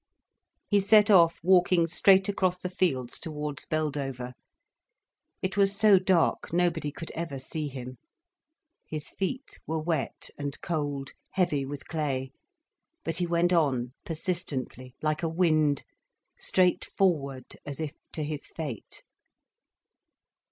He set off walking straight across the fields towards Beldover. It was so dark, nobody could ever see him. His feet were wet and cold, heavy with clay. But he went on persistently, like a wind, straight forward, as if to his fate.